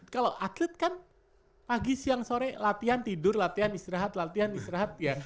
kalau atlet kan pagi siang sore latihan tidur latihan istirahat latihan istirahat ya